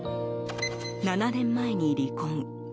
７年前に離婚。